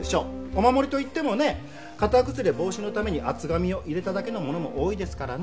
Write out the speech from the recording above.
お守りと言ってもね形崩れ防止のために厚紙を入れただけのものも多いですからね。